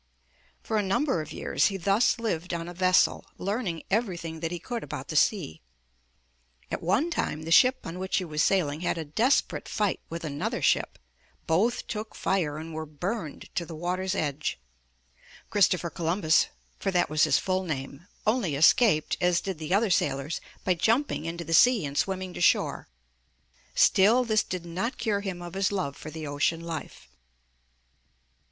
For a number of years he thus lived on a vessel, learning everything that he could about the sea. At one time the ship on which he was sailing had a desperate fight with another ship; both took fire and were burned to the water's edge. Christopher Columbus, for that was his full name, only escaped, as did the other sailors, by jumping into the sea and swimming to shore. Still this did not cure him of his love for the ocean life.